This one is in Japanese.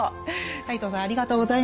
斎藤さんありがとうございました。